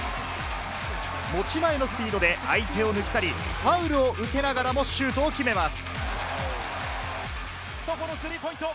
持ち前のスピードで相手を抜き去り、ファウルを受けながらもシュートを決めます。